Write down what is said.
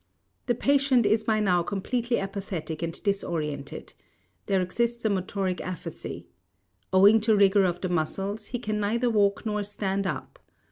The patient is by now completely apathetic and disorientated. There exists a motoric aphasy. Owing to rigor of the muscles, he can neither walk nor stand up.